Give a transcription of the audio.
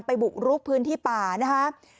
ไปบุรุษพื้นที่ป่านะฮะ